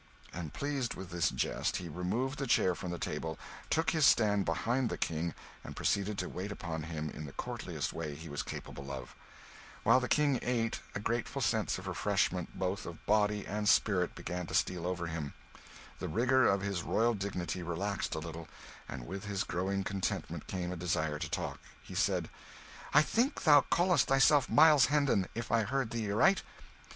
And pleased with this jest, he removed the chair from the table, took his stand behind the King, and proceeded to wait upon him in the courtliest way he was capable of. While the King ate, the rigour of his royal dignity relaxed a little, and with his growing contentment came a desire to talk. He said "I think thou callest thyself Miles Hendon, if I heard thee aright?"